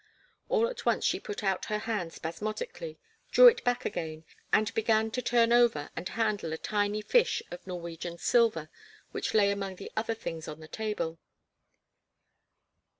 All at once she put out her hand spasmodically, drew it back again, and began to turn over and handle a tiny fish of Norwegian silver which lay among the other things on the table.